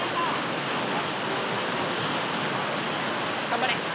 頑張れ！